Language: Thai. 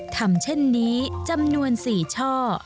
ทำเช่นนี้จำนวน๔ช่อ